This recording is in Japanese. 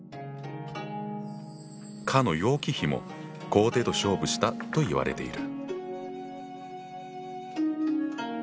かの楊貴妃も皇帝と勝負したといわれている。